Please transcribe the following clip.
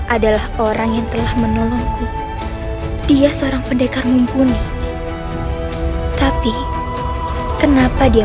adalah orang yang telah menolongku dia seorang pendekar mumpuni tapi kenapa dia